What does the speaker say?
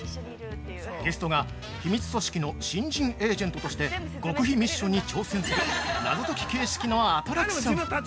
ゲストが秘密組織の新人エージェントとして極秘ミッションに挑戦する謎解き形式のアトラクション。